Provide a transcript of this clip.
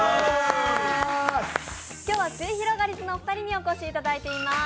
今日は、すゑひろがりずのお二人にお越しいただいています。